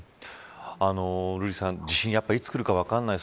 瑠麗さん、地震いつくるか分からない。